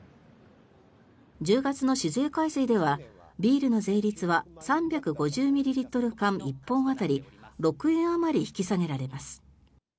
１０月の酒税改正ではビールの税率は３５０ミリリットル缶１本当たり６円あまり引き下げられます。